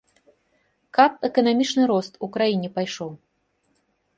Каб эканамічны рост у краіне пайшоў.